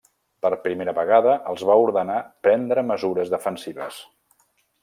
Per primera vegada els va ordenar prendre mesures defensives.